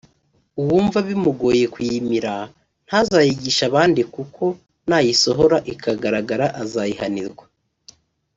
uwumva bimugoye kuyimira ntazayigishe abandi kuko nayisohora ikagaragara azayihanirwa